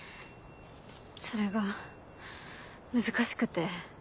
それが難しくて。